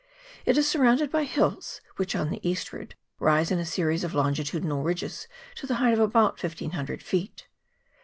It is surrounded by hills, which on the eastward rise in a series of longitudinal ridges to the height of about 1500 feet.